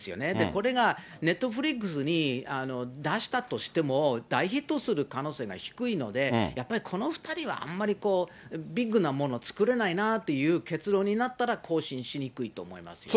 これがネットフリックスに出したとしても、大ヒットする可能性が低いので、やっぱりこの２人はあんまりビッグなもの作れないなという結論になったら、更新しにくいと思いますよね。